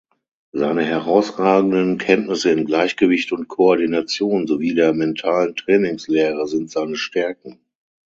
Seine herausragenden Kenntnisse in Gleichgewicht und Koordination, sowie der Mentalen Trainingslehre sind seine Stärken.